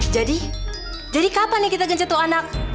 jadi jadi kapan nih kita gencet tuh anak